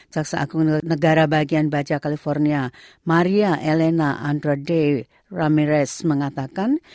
caksa akun negara bagian baja california maria elena andrade ramirez mengatakan